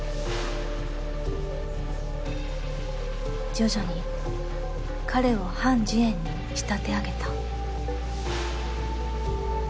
徐々に彼をハン・ジエンに仕立て上げた。